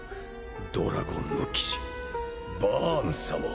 ドラゴンの騎士バーン様。